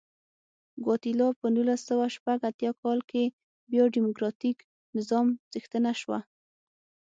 ګواتیلا په نولس سوه شپږ اتیا کال کې بیا ډیموکراتیک نظام څښتنه شوه.